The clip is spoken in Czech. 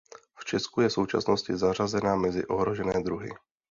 V Česku je v současnosti zařazena mezi ohrožené druhy.